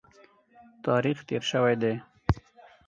تاریخ تېر شوی دی.